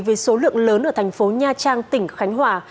vì số lượng lớn ở thành phố nha trang tỉnh khánh hòa